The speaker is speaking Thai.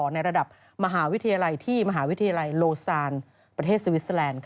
ในระดับมหาวิทยาลัยที่มหาวิทยาลัยโลซานประเทศสวิสเตอร์แลนด์